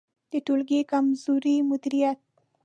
د ټولګي کمزوری مدیریت